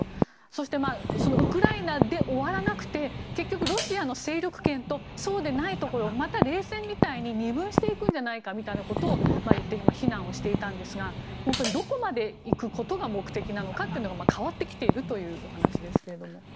そしてウクライナで終わらなくて結局ロシアの勢力圏とそうでないところまた冷戦みたいに二分してくんじゃないかということを言って非難していたんですがどこまで行くことが目的なのかということが変わってきているというお話ですが。